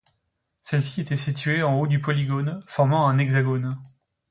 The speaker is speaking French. Celle-ci était située en haut du polygone, formant un hexagone.